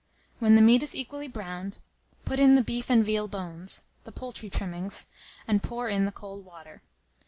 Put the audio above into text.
When the meat is equally browned, put in the beef and veal bones, the poultry trimmings, and pour in the cold water.